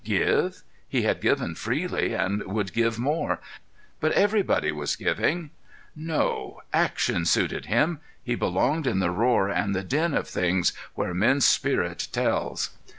Give? He had given freely and would give more; but everybody was giving. No; action called him. He belonged in the roar and the din of things where men's spirit tells.